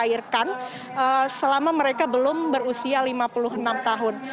mereka bisa segera dicairkan selama mereka belum berusia lima puluh enam tahun